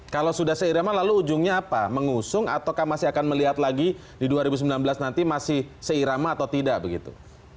kalau sudah seirama lalu ujungnya apa mengusung ataukah masih akan melihat lagi di dua ribu sembilan belas nanti masih seirama atau tidak begitu